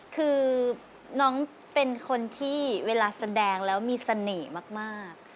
คือน้องเป็นคนที่เวลาแสดงแล้วมีเสน่ห์มาก